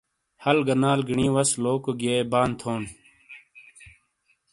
ہل گہ نال گینی واس لوکو گئیے بان تھون ۔